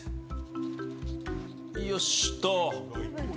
よしっと！